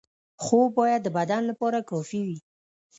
خواب باید د بدن لپاره کافي وي.